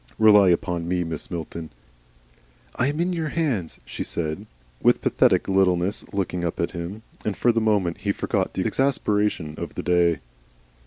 Rely upon me, Mrs. Milton " "I am in your hands," she said, with pathetic littleness, looking up at him, and for the moment he forgot the exasperation of the day.